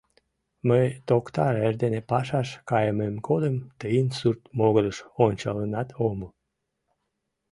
Мый, токтар, эрдене пашаш кайымем годым тыйын сурт могырыш ончалынат омыл.